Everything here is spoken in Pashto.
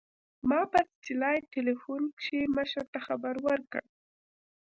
ما په سټلايټ ټېلفون کښې مشر ته خبر ورکړ.